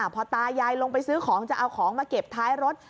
พอตายายลงไปซื้อของจะเอาของมาเก็บท้ายรถ